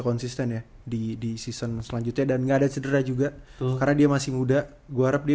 konsisten ya di di season selanjutnya dan ngadat sederah juga karena dia masih muda gua harap dia